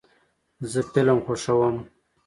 زه فلم خوښوم.